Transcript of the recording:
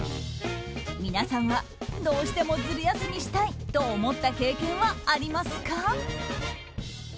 皆さんは、どうしてもズル休みしたいと思った経験はありますか？